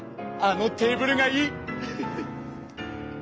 あのテーブルがいい！